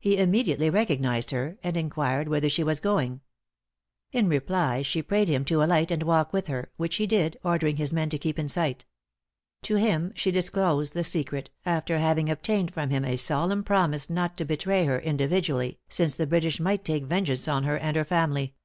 He immediately recognized her, and inquired whither she was going. In reply, she prayed him to alight and walk with her; which he did, ordering his men to keep in sight. To him she disclosed the secret, after having obtained from him a solemn promise not to betray her individually, since the British might take vengeance on her and her family.